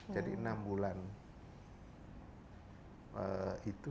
jadi enam bulan itu